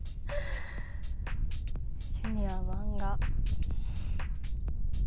「趣味は漫画」。